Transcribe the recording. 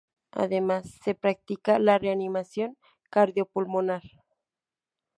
Además se practica la reanimación cardiopulmonar.